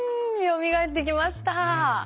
よみがえってきました。